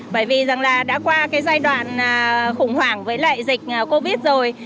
bởi vì rằng là đã qua cái giai đoạn khủng hoảng với lại dịch covid rồi